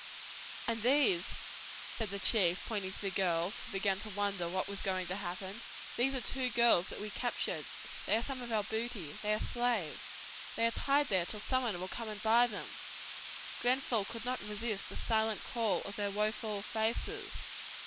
"And these," said the chief, pointing to the girls, who began to wonder what was going to happen, "these are two girls that we captured. They are some of our booty. They are slaves. They are tied there till someone will come and buy them." Grenfell could not resist the silent call of their woeful faces.